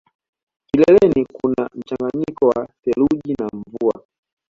Kileleni kuna mchanganyiko wa theluji na mvua